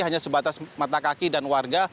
hanya sebatas mata kaki dan warga